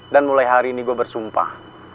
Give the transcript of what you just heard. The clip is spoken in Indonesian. dan mulai hari ini gue bersumpah